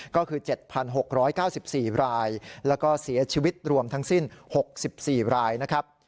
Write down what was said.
ก็คือ๗๖๙๔รายแล้วก็เสียชีวิตรวมทั้งสิ้น๖๔รายนะครับ